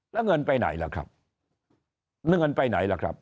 แล้วเงินไปไหนล่ะครับเงินไปไหนล่ะครับ